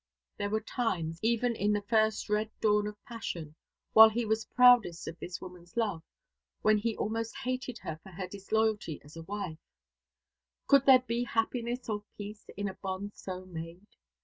There were times, even in the first red dawn of passion, while he was proudest of this woman's love, when he almost hated her for her disloyalty as a wife. Could there be happiness or peace in a bond so made?